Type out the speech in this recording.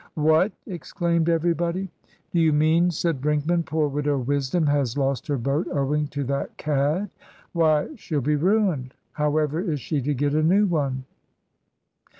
"What!" exclaimed everybody. "Do you mean," said Brinkman, "poor Widow Wisdom has lost her boat owing to that cad? Why, she'll be ruined? However is she to get a new one?"